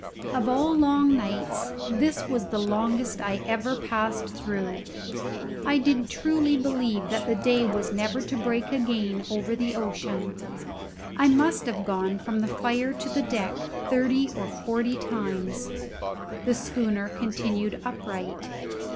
Of all long nights this was the longest I ever passed through. I did truly believe that the day was never to break again over the ocean. I must have gone from the fire to the deck thirty or forty times. The schooner continued upright.